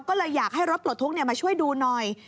ก็เลยอยากให้รถปลดทุกข์มาช่วยดูหน่อย